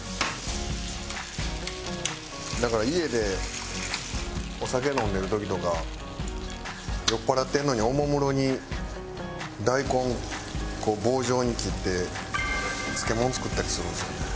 だから家でお酒飲んでる時とか酔っ払ってるのにおもむろに大根棒状に切って漬物作ったりするんですよね。